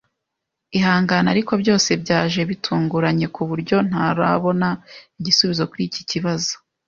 Ihangane, ariko byose byaje bitunguranye kuburyo ntarabona igisubizo kuri iki kibazo.